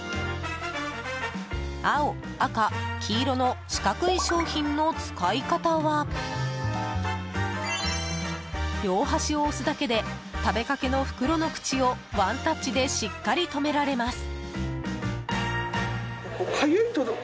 青、赤、黄色の四角い商品の使い方は両端を押すだけで食べかけの袋の口をワンタッチでしっかり留められます。